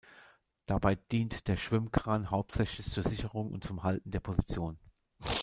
Dabei dient der Schwimmkran hauptsächlich zur Sicherung und zum Halten der Position.